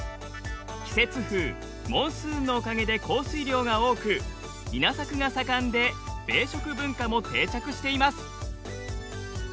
季節風モンスーンのおかげで降水量が多く稲作が盛んで米食文化も定着しています。